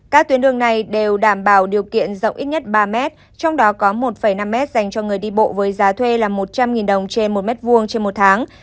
các tuyến đường này đều đảm bảo điều kiện rộng ít nhất ba mét trong đó có một năm m dành cho người đi bộ với giá thuê là một trăm linh đồng trên một m hai trên một tháng